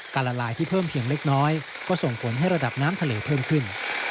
ละลายที่เพิ่มเพียงเล็กน้อยก็ส่งผลให้ระดับน้ำทะเลเพิ่มขึ้น